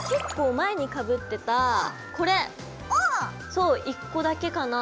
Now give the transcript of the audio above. そう１個だけかなぁ。